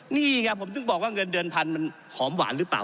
นี่ไงผมถึงบอกว่าเงินเดือนพันธมันหอมหวานหรือเปล่า